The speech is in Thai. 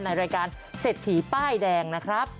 ในรายการเศรษฐีป้ายแดงนะครับ